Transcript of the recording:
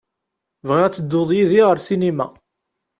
Bɣiɣ ad tedduḍ yid-i ɣer sinima.